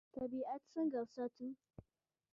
طبیعت څنګه وساتو؟